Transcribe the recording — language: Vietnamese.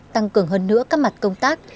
tăng cường hơn nữa các mặt công tác